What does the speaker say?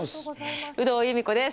有働由美子です。